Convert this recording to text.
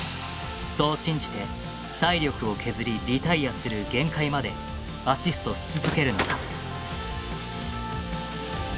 そう信じて体力を削りリタイアする限界までアシストし続けるのだ。